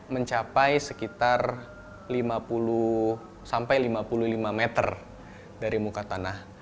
mencapai sekitar lima puluh sampai lima puluh lima meter dari muka tanah